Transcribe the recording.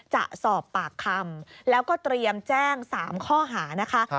จะสอบปากคำแล้วก็เตรียมแจ้ง๓ข้อหานะคะ